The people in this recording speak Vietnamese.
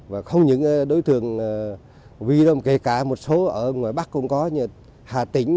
và không những đối thường vì đó kể cả một số ở ngoài bắc cũng có như hà tĩnh